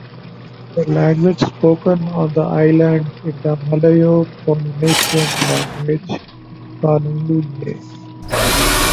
The language spoken on the island is the Malayo-Polynesian language Palu'e.